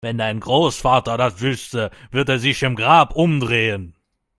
Wenn dein Großvater das wüsste, würde er sich im Grab umdrehen